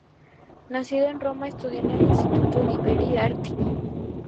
Nacido en Roma, estudió en el "Instituto di Belle Arti".